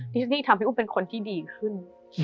ที่ฉันนี่ทำให้อุ้มเป็นคนที่ดีขึ้น